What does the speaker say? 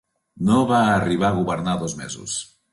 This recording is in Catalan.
No va arribar a governar dos mesos.